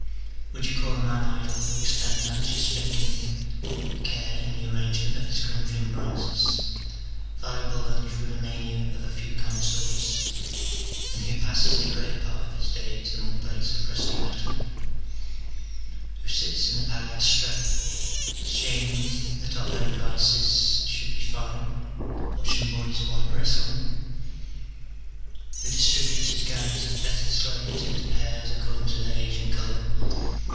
Would you call a man idle who expends anxious finicking care in the arrangement of his Corinthian bronzes, valuable only through the mania of a few connoisseurs ? and who passes the greater part of his days among plates of rusty metal ? who sits in the palaestra (shame, that our very vices CH. XII.] OF THE SHORTNESS OF LIFE. 305 should be foreign) watching boys wrestling ? who distri bntes his gangs of fettered slaves into pairs according to their age and colour